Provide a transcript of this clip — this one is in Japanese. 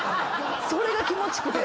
それが気持ちくて。